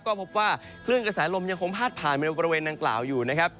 ก็พบว่าคลื่นกระแสลมยังคงพาดผ่านบริเวณดังกล่าวอยู่นะครับ